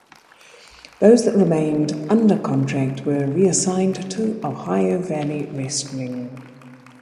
Those that remained under contract were reassigned to Ohio Valley Wrestling.